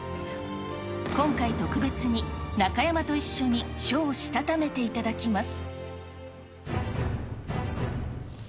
今回、特別に中山と一緒に書をしたためていただきます。